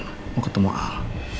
mau ketemu al